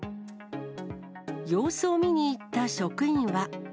様子を見に行った職員は。